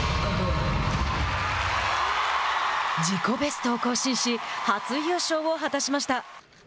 自己ベストを更新し初優勝を果たしました。